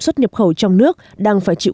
xuất nhập khẩu trong nước đang phải chịu